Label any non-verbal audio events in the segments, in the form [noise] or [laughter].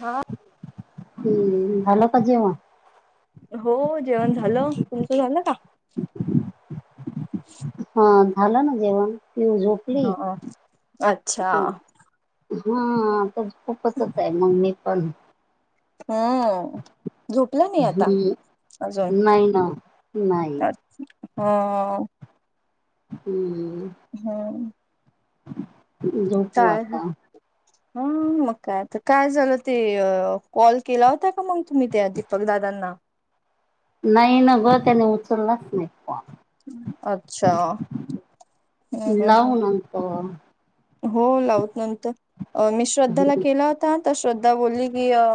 हा. हम्म झाल का जेवण? हो जेवण झालं, तुमचं झालं का? हा झालं ना जेवण, की म झोप ह. अच्छा. हा [unintelligible] आहे मग मी पण हा झोपला नाही आता, हम्म अजून. नाही ना नाही अ हम्म. हम्म. झोपव काय आता ह, मग काय आता काय झालं ते कॉल केला होता का? मग तुम्ही त्या दीपक दादांना. नाही न, ग त्याने उचललाच नाही. अच्छा हम्म हम्म लावू हम् नंतर हो लावू नंतर, मी श्रद्धाला केला होता तर श्रद्धा बोलली की अ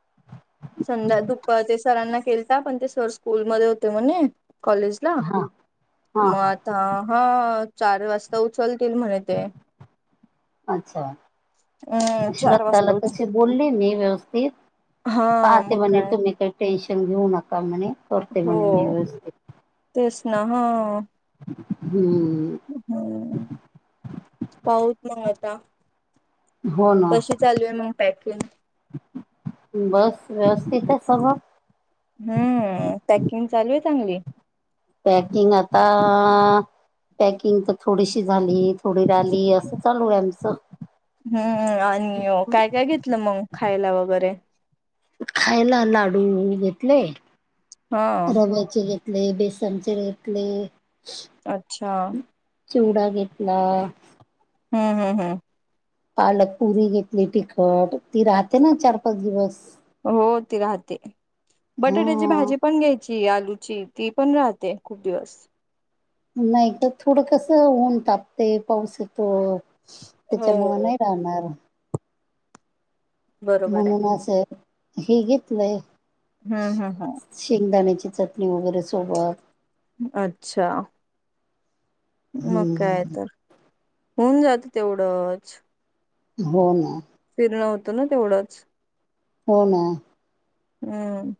[inaudible] [unintelligible] संध्या -दुप ते सरांना केलता, पण ते सर स्कूलमध्ये होते म्हणे, कॉलेज हा हा मग हा आता हा, चार वाजता उचलतील, म्हणे ते. अच्छा! हम्म चार श्रद्धा वाजता ला उचल तशी बोलली मी, व्यवस्थित. हा पाहते मग म्हणे, काय तुम्ही काही टेन्शन घेऊ नका म्हणे, करते हो म्हणे मी व्यवस्थित. तेच ना, हा. हम्म. पाहू च मग आता. हो ना, कशी चालू आहे मग पॅकिंग? बस, व्यवस्थित आहे सगळं. हम्म. पॅकिंग चालू आहे चांगली. पॅकिंग आता पॅकिंग तर थोडीशी झाली, थोडी ऱ्हाली असं चालू आहे आमचं हम्म. आणि मग काय -काय घेतलं? मग खायला वगैरे. खायला, लाडू घेतले, हा रव्याचे घेतले बेसन चे घेतले. अच्छा. चिवडा, घेतला. हम हम हा. पालकपुरी घेतली, तिखट. ती राहते ना, चार- पाच दिवस. हो ती राहते. हा. बटाट्याची भाजी पण घ्यायची आलूची ती पण राहते खूप दिवस नाही तर थोडं कसं ऊन तापते पावस येत त्याच्या मुळ हो नाही राहणार बरोबर आहे. म्हणून असं हेि घेतले हम्म हम् हम शेंगदाण्याची चटणी वगैरे सोबत अच्छा. मग काय हम्म तर, होऊन जात तेवढंच. हो ना. फिरण होतो ना, तेवढंच. हो ना. हम्म.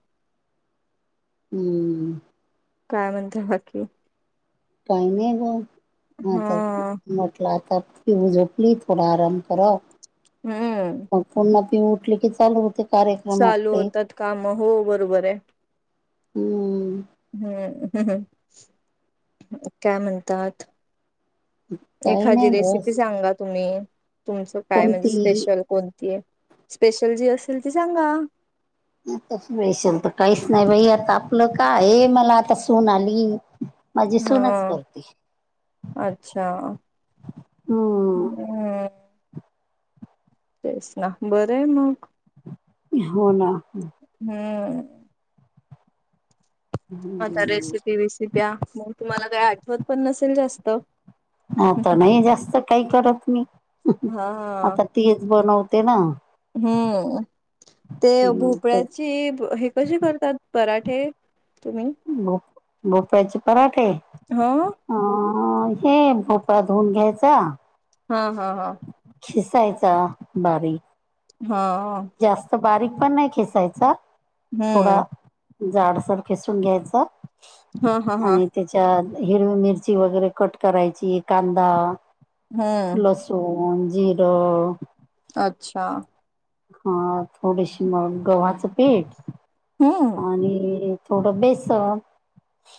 हम्म हम् काय म्हणत बाकी काही नाही ग हा हता ी उ झोपली थोडा आराम करराव हम्म ग पुन्हा पी उठली कि ल होते कार्यक्रम चालू आपले होतात काम हो बरोबर आहे हम्म हम्म हम् काय म्हणतात काही एखादी नाही रेसिपी बस सांगा तुम्ही तुमचं काय म्हणजे कोणती स्पेशल कोण त स्पेशल जी असेल ती सांगा त मिशल तर काहीच नाही बाई आता आपलं का आहे मला आता सून आली माझी सूनच हा करते अच्छा हम्म हम्म तेच ना बरं मग हो ना हम्म आता हम्म रेसिपी विसिप्या मग तुम्हाला काही आठवत पण नसेल जास्त आता नाही जास्त काही करत मी हा आता तीच बनवते ना हम्म ते हम्म ते भोपळ्याची कसे करतात पराठे तुम्ही ब बोप्याचे पराठे हो अ हे भोपा धुऊन घ्यायचा हा हा हा शिसायचा बारी हा जास्त बारीक पण नाही खेसायचा थोडा हम्म झाडसार खिसून घ्यायचं हा हा हा त्याच्यात हिरवी मिरची वगैरे कट करायची कांदा हम्म लस सन जिरो अच्छा हा थोडीशी म गव्हाचं पेठ हम्म आणि थोडं बेस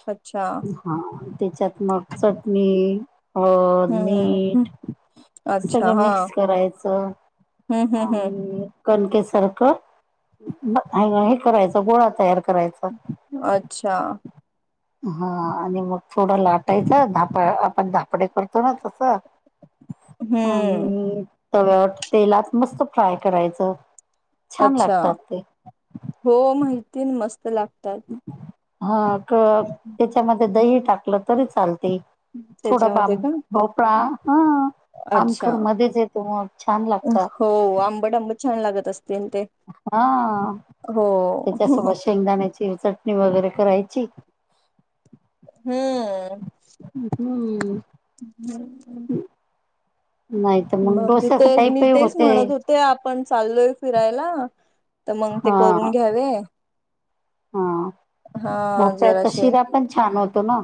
अच्छा हा त्याच्यात मग चटणी ह हम्म हं, मीठ अच्छा सगळं हा मिक्स करायचं हम्म हम्म हम्म आणि कणकेसारखं हे करायचं गोळा तयार करायचा अच्छा हा आणि मग थोडं लाटायचं धाप आपण धापडे करतो ना तसं हम्म आणि तव्यावर तेलात मस्त फ्राय करायचं छान अच्छा लागतात ते हो माहिती मस्त लागतात. हा क त्याच्यामध्ये दही टाकलं तरी चालते थोडा बा त्याच्यामध्ये का भोपळा हा अच्छा आमखर मध्येच येतो मग छान लागत हो आंबट आंबट छान लागत असतील ते हा हो त्याच्यासोबत शेंगदाण्याची चटणी वगैरे करायची हम्म हम्म ब नाही तर मग ब ते डोस्याचं मी टाईपही तेच होते म्हणत होते आपण चाललोय फिरायला तर मग ते हा करून घ्यावे हा हा भोपळ्याचा जराशे शिरा पण छान होतो ना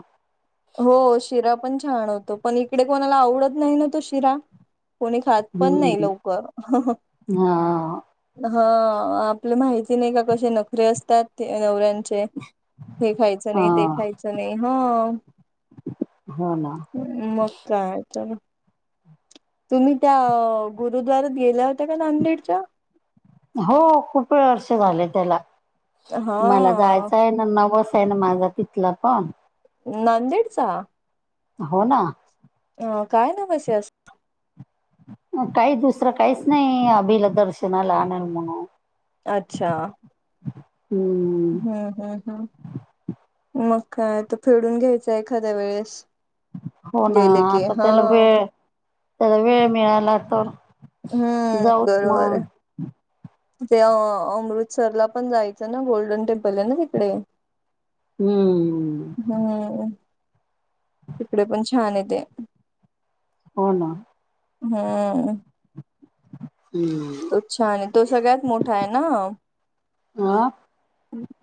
हो शिरा पण छान होतो, पण इकडे कोणाला आवडत नाही ना तो शिरा कोणी खात पण नाही हम्म. लवकर हा हा आपलं माहिती नाही का कसे नखरे असतात ते नवऱ्यां हे खायचं हा नाही ते खायचं नाही हा हो ना मग काय तर तुम्ही त्या गुरुद्वारात गेल्या होत्या का नांदेडच्या हो खूप वेळ वर्ष झाले त्याला मला हा जायचंय नवस आहे ना माझा तिथला पण नांदेडचा हो ना अ काय नामसे अस काही दुसरं काहीच नाही अभिला दर्शनाला आणाल म्हणून अच्छा हम्म हम्म हम्म हम् मग काय त फेडून घ्यायचं एखाद्या वेळेस हो ना गेले की आता हा त्याला वेळ त्याला वेळ मिळायला लागतो हम्म जाऊत बरोबर आहे म- ते अ अमृतसरला पण जायचं ना गोल्डन टेम्पल आहे ना तिकडे हम्म हम्म तिकडे पण छान आहे ते हो ना हा हम्म अच्छा आणि तो सगळ्यात मोठा आहे ना ह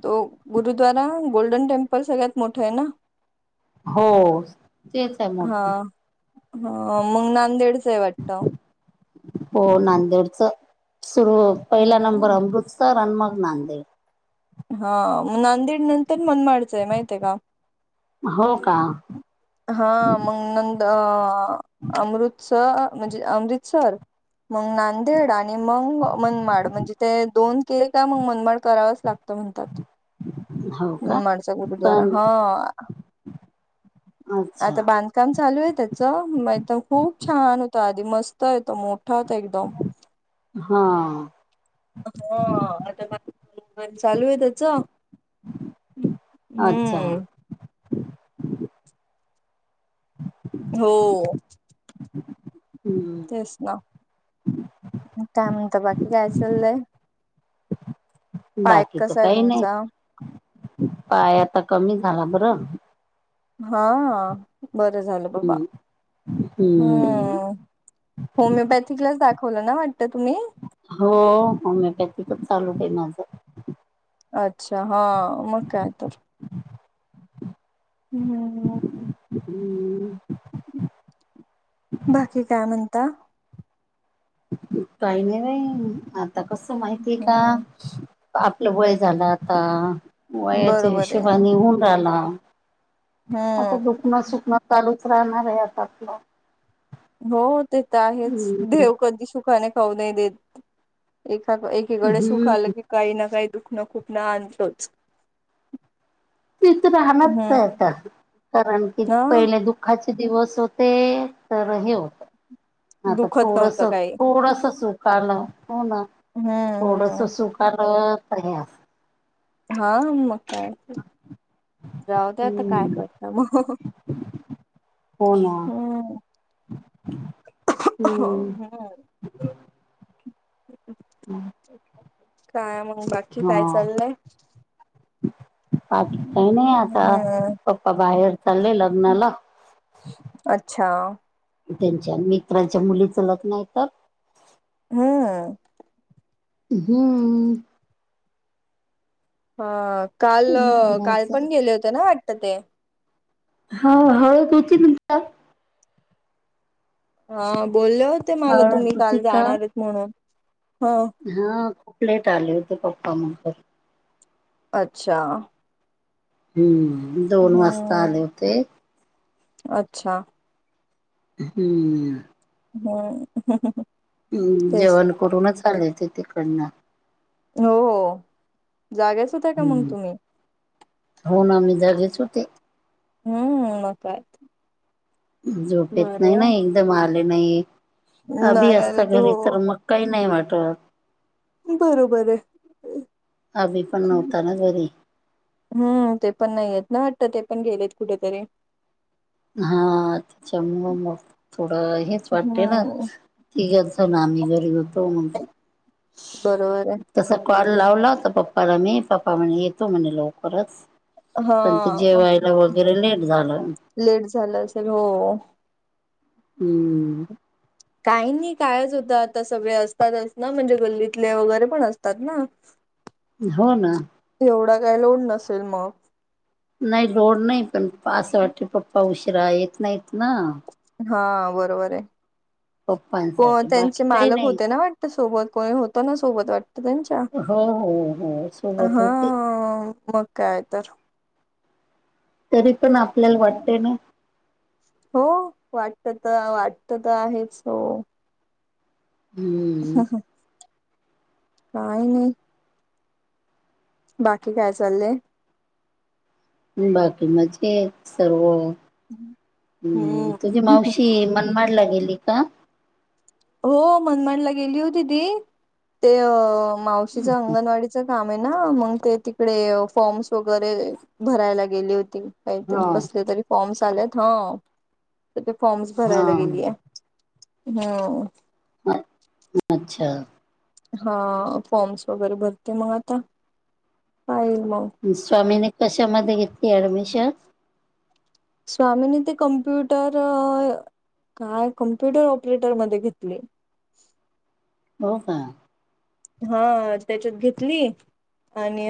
तो गुरुद्वारा गोल्डन टेम्पल सगळ्यात मोठं आहे ना हो तेच आहे मोठ ह मग नांदेडचं आहे वाटतं हो नांदेडच सुरू पहिला नंबर हम्म अमृत तर अन मग नांदेड.... हा नांदेड नंतर मनमाडच आहे माहित आहे का? हो का? हा मग नंद अमृतसर म्हणजे अमृतसर... मग नांदेड आणि मग मनमाड म्हणजे ते दोन... के काय मग मनमड करावंच लागत... असं म्हणतात हो का मनमाडचा गुरुद्वारा पण हा... अच्छा आता बांधकाम चालू आहे त्याच मा खूप छान होतं आधी मस्त येतो मोठ... ठत एकदम हा हो आता चालू आहे त्याच अच्छा हम्म हम् हो ह तेच ना काम तर बाकी काय चाललंय पाय बाकी तर कसा आहे काही नाही.... तुमचा पाय आता कमी झाला बरं... हा बरं झालं बाबा हम्म हम्म... होमिओपॅथीकलाच दाखवलं ना वाटतं तुम्ही... हो होमिओपॅथीकच चालू आहे माझं.... अच्छा हा मग काय तर.... हम् हम.... हम्म... बाकी काय म्हणता... काही नाही बाई आता कसं माहितीय का? हम्म आपलं वय झालं आता वयाच्या बरोबर हिशेबा आहे हून राहिला... आता हम्म दुखणं सुखणं चालूच राहणार आहे आता आपलं... हो ते तर आहेच हम्म देव कधी सुखाने खाऊ नाही देत एखादा एक..... कडे सुख हम्म आलं की काही ना काही दुखणं खूप न आणतोच.... तथ हम्म राहणारता कारण की ह पहिले दु.... खायचे दिवस होते तर हे होत.... आता दुखत थोडस नव्हतं काही थोडस सुख आलं हो ना हम्म थोडस हम्म सुख... तर प्रह.... हा मग काय जाऊ द्या आता काय हम्म करता मग.... हो ना हम्म हम्म..... काय मग बाकी काय हा चाललंय.... बाकी काय नाही आता.... हम्म मग बाहेर चालले लग्नाला.... अच्छा त्यांच्या मित्रांच्या मुली लग्न आहे तर.... हम्म..... हम.... हा काल काल लग्नाचं पण गेले होते ना वाटत ते.... हा होळ तुमची तुमची.... हा बोलले होते मला हळद तुम्ही होती काल का जाणार आहेत म्हणून हा.... हा खूप लेट आले होते पप्पा मग..... अच्छा.... हम्म दोन वाजता आले हम्म होते.... अच्छा.... हम्म.... हम.... हम् जेवण करूनच आले होते तिकडनं..... हो हो जागेच... होत्या का मग हम्म तुम्ही हो ना मी जागेच होते.... हम्म मग काय? झोपेत नाही बरं ना आहे. एकदम आले नाही अभी नाही असता अरे त घरी हो तर मग... काही नाही वाटत! बरोबर आहे अभी पण नव्हता ना घरी? हम्म ते पण नाहीयेत ना वाटत ते पण गेलेत कुठेतरी? हा त्याच्यामुळं म थोडं हेच वाटते ना... हम्म येतो ना आम्ही घरी येतो मग. बरोबर आहे तसा कॉल लावला होता पप्पाला मी पप्पा म्हणे येतो म्हणे लवकरच. पण ते हा जेवायला वगैरे लेट झालं. लेट झालं असेल हो. हम्म! काही नाही काय सुद्धा आता सगळे असतातच ना म्हणजे गल्लीतले वगैरे पण असतात ना. हो ना! एवढा काय लोड नसेल मग? नाही लोड नाही पण असं वाटतय पप्पा उशिरा येत नाहीत ना. हा बरोबर आहे पप्पांसाठी बाकी त्यांचे काही मालक नाही होते ना वाट त सोबत कोणी होत ना सोबत वाटतं त्यांच्या. हो हो हो सोबत हा होते मग काय तर! तरी पण आपल्याला वाटतय ना! हो वाटत त वाटत त आहेच हो. हम्म काय नाही. बाकी काय चाललंय? बाकी मजेत सर्व, तुझी हम्म मावशी ती मनमाडला गेली का? हो मनमाडला गेली होती ती ते मावशीच अंगणवाडी च काम आहे ना मग ते तिकडे फॉर्म्स वगैरे भरायला गेली होती. काहीतरी हा कसले तरी फॉर्म्स आलेत हो. तर ते फॉर्म्स हा भरायला गेली आहे. अ- अच्छा! हा फॉर्म्स वगैरे भरते मग आता. हा येईल मग. स्वामीनि कशामध्ये घेतली ऍडमिशन? स्वामीनी ते कम्प्युटर काय कमप्युटर ऑपरेटर मध्ये घेतलय. हो का? हा त्याच्यात घेतली आणि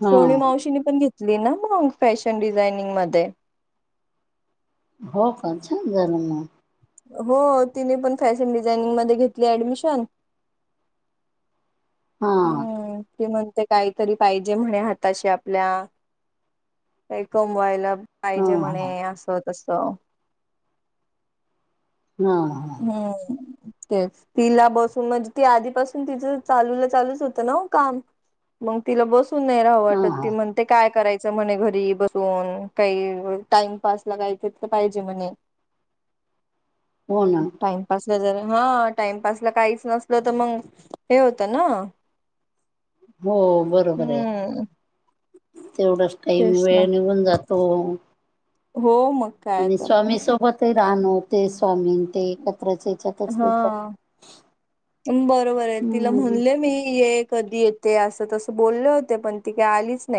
हा सोनी मावशीनी पण घेत ली ना मग फॅशन डिझायनिंग मध्ये. हो का छान झालं मग. हो तिने पण फॅशन डिझायनिंग मध्ये घेतली ऍडमिशन. हा! हम्म ती म्हणते काहीतरी पाहिजे म्हणे हाताशी आपल्या काही कमवायला हा पाहिजे हा म्हणे असं तस. हा! हा हम्म! ते तिला बसून म्हणजे ती आधीपासून तिचं चालूला चालूच होतं ना काम. मग तिला बसून नाही राहावं वाटत हा ती म्हण ते काय करायचं म्हणे घरी बसून काही टाइमपासला काही तर पाहिजे म्हणे. हो ना. टाइमपासला जर हा टाइमपासला काहीच नसलं तर मग हे होतं ना! हो बरोबर आहे हम्म तेवढंच काही तेच ना वेळ निघून जातो. हो म. आणि स्वामी सोबतही राहनो ते स्वामी ते एकत्र हा बरोबर आहे तिला हम्म म्हणले मी ये कधी येत ते असं तसं बोलले होते पण ती काही आलीच नाही.